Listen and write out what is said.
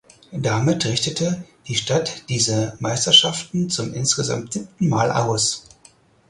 Damit richtete die Stadt diese Meisterschaften zum insgesamt siebten Mal aus.